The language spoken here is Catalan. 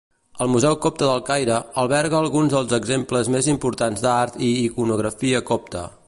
El museu copte del Caire, alberga alguns dels exemples més importants d'art i iconografia copta.